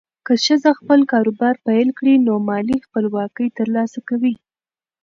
که ښځه خپل کاروبار پیل کړي، نو مالي خپلواکي ترلاسه کوي.